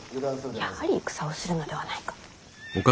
はあやはり戦をするのではないか。